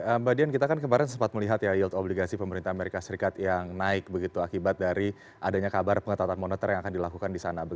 mbak dian kita kan kemarin sempat melihat ya yield obligasi pemerintah amerika serikat yang naik begitu akibat dari adanya kabar pengetatan moneter yang akan dilakukan di sana